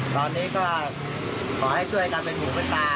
ตอนนี้ก็ขอให้ช่วยกันเป็นหูเป็นตา